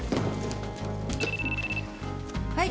はい。